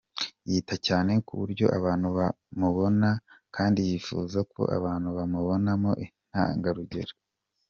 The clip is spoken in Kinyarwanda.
Yita cyane ku buryo abantu bamubona kandi yifuza ko abantu bamubonamo intangarugero.